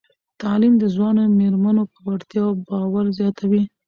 تعلیم د ځوانو میرمنو په وړتیاوو باور زیاتوي.